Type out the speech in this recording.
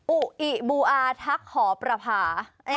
อุอิบูอาทักหอประพา